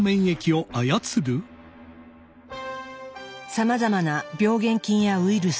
さまざまな病原菌やウイルス。